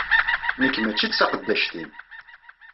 Nekk mačči d taqeddact-im.